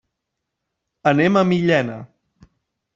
Anem a Millena.